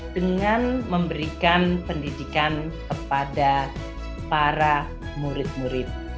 dengan memberikan pendidikan kepada para murid murid